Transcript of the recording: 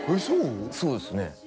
そうですね